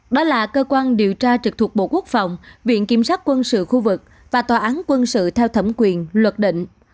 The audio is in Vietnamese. đó là cơ quan điều tra trực thuộc bộ quốc phòng viện kiểm sát quân sự khu vực và tòa án quân sự theo thẩm quyền luật định